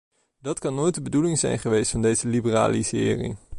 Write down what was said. Dat kan nooit de bedoeling zijn geweest van deze liberalisering.